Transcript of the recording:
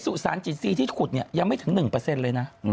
สู่สารชินซีที่ขุดเนี่ยยังไม่ถึง๑เปอร์เซ็นต์เลยนะ